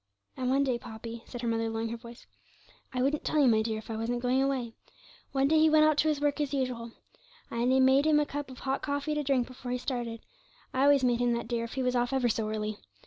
And one day, Poppy,' said her mother, lowering her voice ('I wouldn't tell you, my dear, if I wasn't going away), one day he went out to his work as usual. I made him a cup of hot coffee to drink before he started; I always made him that, dear, if he was off ever so early.